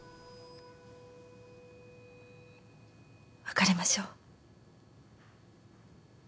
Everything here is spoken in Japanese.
別れましょう。